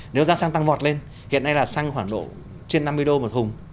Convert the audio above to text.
nếu giá xăng tăng vọt lên hiện nay là xăng khoảng độ trên năm mươi đô một thùng